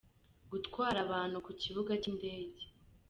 Gutwara abantu ku kibuga cy’indege,.